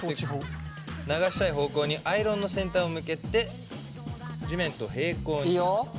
流したい方向にアイロンの先端を向けて地面と平行に。